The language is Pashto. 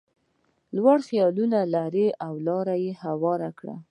لوړ خیالونه ولري لاره هواره کړي.